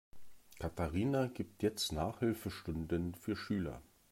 Katharina gibt jetzt Nachhilfestunden für Schüler.